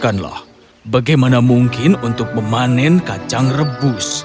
katakanlah bagaimana mungkin untuk memanen kacang rebus